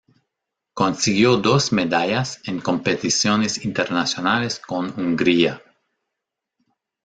Consiguió dos medallas en competiciones internacionales con Hungría.